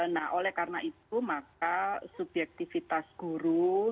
nah oleh karena itu maka subjektivitas guru